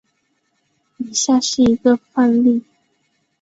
以下是一个范例。